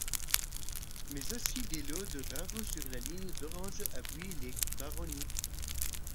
Mais aussi des lots de travaux sur la ligne d'Orange à Buis-les-Baronnies.